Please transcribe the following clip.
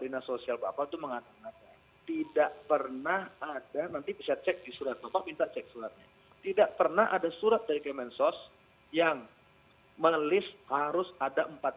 anda masih bersama kami di cnn indonesia newscast